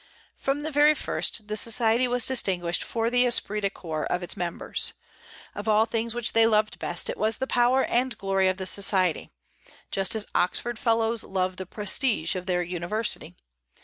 From the very first, the Society was distinguished for the esprit de corps of its members. Of all things which they loved best it was the power and glory of the Society, just as Oxford Fellows love the prestige of their university.